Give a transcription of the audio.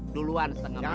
duluan setengah matang